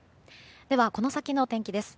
ではこの先のお天気です。